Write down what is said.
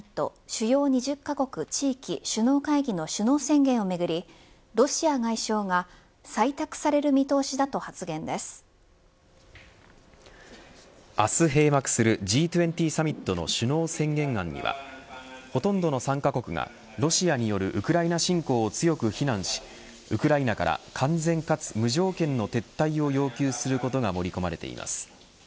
主要２０カ国地域首脳会議の首脳宣言をめぐりロシア外相が採択される見通しだと発明日閉幕するＧ２０サミットの首脳宣言案にはほとんどの参加国がロシアによるウクライナ侵攻を強く非難しウクライナから完全、かつ無条件の撤退を要求することが盛り込まれています。